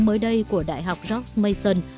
mới đây của đại học george mason